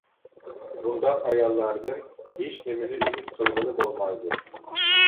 بۇنداق ئاياللاردىن ھېچنېمىنى ئۈمىد قىلغىلى بولمايدۇ.